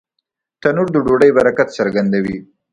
تنور د ډوډۍ برکت څرګندوي